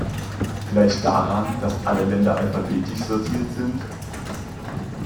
Vielleicht daran, dass alle Länder alphabetisch sortiert sind?